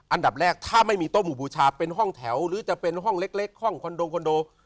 อันดับแรกถ้าไม่มีโต๊ะหมู่บูชาเป็นห้องแถวหรือจะเป็นห้องเล็กห้องคอนโดคอนโด